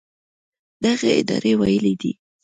دغې ادارې ویلي دي